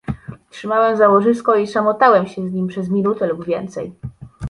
"Trzymałem za łożysko i szamotałem się z nim przez minutę lub więcej."